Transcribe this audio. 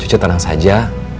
cucu tenang saja